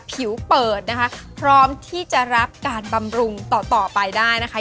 ผิวเปิดนะคะพร้อมที่จะรับการบำรุงต่อต่อไปได้นะคะ